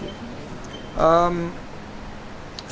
pak afr thank you